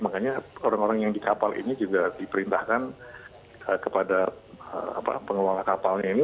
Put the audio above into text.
makanya orang orang yang di kapal ini juga diperintahkan kepada pengelola kapalnya ini